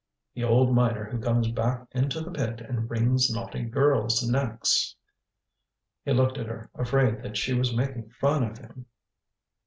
"The old miner who comes back into the pit and wrings naughty girls' necks." He looked at her, afraid that she was making fun of him.